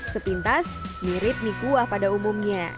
sepintas mirip mie kuah pada umumnya